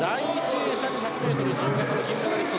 泳者に１００ｍ自由形のメダリスト